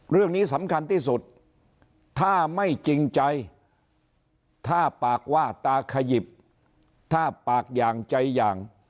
เรื่องนี้สำคัญที่สุดถ้าไม่จริงใจถ้าปากว่าตาขยิบถ้าปากอย่างใจอย่าง